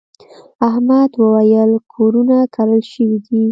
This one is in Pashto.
احمد وويل: کورونه کرل شوي دي.